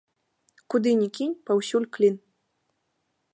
Куды ні кінь, паўсюль клін.